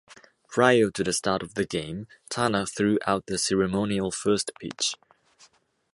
Prior to the start of the game, Tanner threw out the ceremonial first pitch.